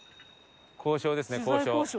交渉ですね交渉。